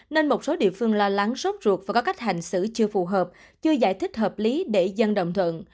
nên một số địa phương lo lắng sốt ruột và có cách hành xử chưa phù hợp chưa giải thích hợp lý để dân đồng thuận